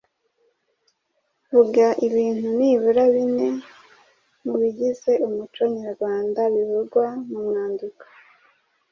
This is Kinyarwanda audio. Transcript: Vuga ibintu nibura bine mu bigize umuco nyarwanda bivugwa mu mwandiko.